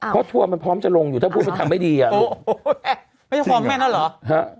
เพราะทัวร์มันพร้อมจะลงอยู่ถ้าพูดแต่ยังไหวทำไม่ดี